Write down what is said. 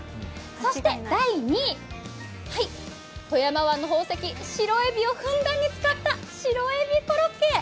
そして第２位、富山湾の宝石、白えびをふんだんに使った白えびコロッケ。